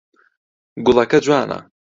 گوڵەکە جوانە.